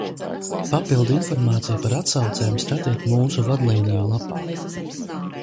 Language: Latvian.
Papildu informāciju par atsaucēm skatiet mūsu vadlīniju lapā.